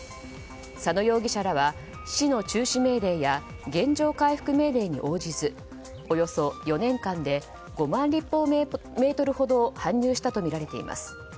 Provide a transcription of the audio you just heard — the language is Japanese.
佐野容疑者らは市の中止命令や原状回復命令に応じずおよそ４年間で５万立方メートルほどを搬入したとみられています。